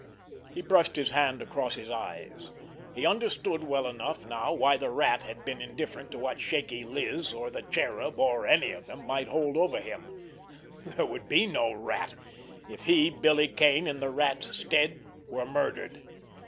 He brushed his hand across his eyes. He understood well enough now why the Rat had been indifferent to what Shaky Liz, or the Cherub, or any of them, might hold over him—there would be no Rat, if he, Billy Kane, in the Rat's stead, were murdered.